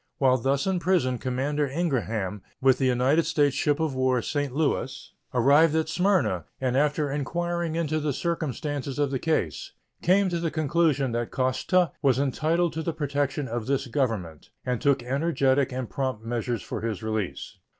While thus in prison Commander Ingraham, with the United States ship of war St. Louis, arrived at Smyrna, and after inquiring into the circumstances of the case came to the conclusion that Koszta was entitled to the protection of this Government, and took energetic and prompt measures for his release.